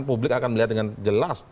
publik akan melihat dengan jelas